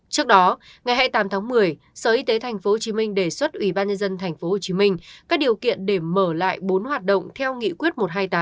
trước đó ngày tám tháng một mươi sở y tế tp hcm đề xuất ubnd tp hcm các điều kiện để mở lại bốn hoạt động theo nghị quyết một trăm hai mươi tám